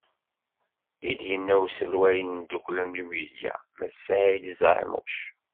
I d-yenna uselway n tdukkla Numidya, Mass Saɛid Zeɛmuc.